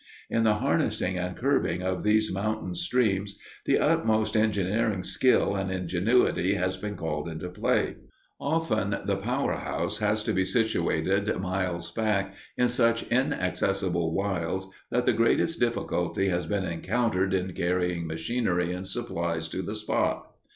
In the harnessing and curbing of these mountain streams the utmost engineering skill and ingenuity has been called into play. Often the power house has to be situated miles back in such inaccessible wilds that the greatest difficulty has been encountered in carrying machinery and supplies to the spot.